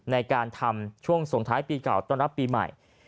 ในการทำช่วงส่งท้ายปีเก่าต้อนรับปีใหม่